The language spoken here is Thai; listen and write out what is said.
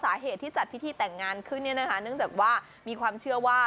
สาเหตุที่จัดพิธีแต่งงานขึ้นเนี่ยนะคะเนื่องจากว่ามีความเชื่อว่า